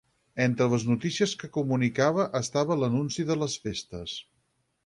Entre les notícies que comunicava estava l'anunci de les festes.